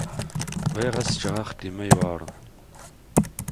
Bɣiɣ ad s-ǧǧeɣ axeddim-a yuɛren.